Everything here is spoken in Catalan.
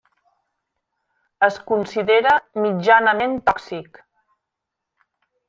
Es considera mitjanament tòxic.